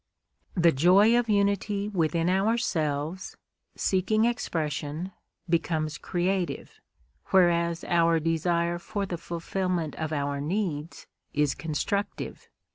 The joy of unity within ourselves, seeking expression, becomes creative; whereas our desire for the fulfilment of our needs is constructive.